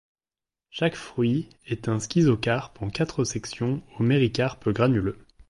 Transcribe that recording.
Chaque fruit est un schizocarpe en quatre sections aux méricarpes granuleux.